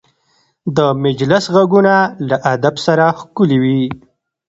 د مجلس غږونه له ادب سره ښکلي وي